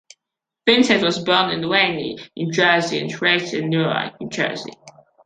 Vincent was born in Wayne, New Jersey and raised in Newark, New Jersey.